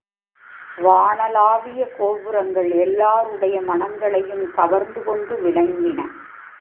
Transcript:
வானளாவிய கோபுரங்கள் எல்லாருடைய மனங்களையும் கவர்ந்து கொண்டு விளங்கின.